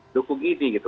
dukung ini gitu